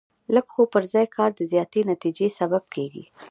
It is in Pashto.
لږ خو پر ځای کار د زیاتې نتیجې سبب کېږي.